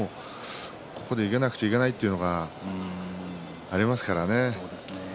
ここでいかなくてはいけないというのがありますからね。